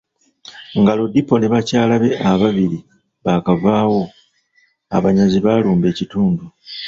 Nga Lodipo ne bakyala be ababiri baakavaawo, abanyazi baalumba ekitundu.